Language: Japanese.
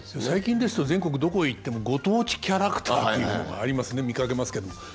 最近ですと全国どこへ行ってもご当地キャラクターっていうものがありますね見かけますけども。